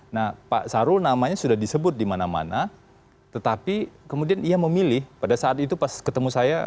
nah pak sarul namanya sudah disebut dimana mana tetapi kemudian ia memilih pada saat itu pas ketemu saya